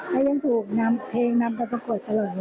และยังถูกนำเพลงนำประปรากฏอร่อยมากค่ะ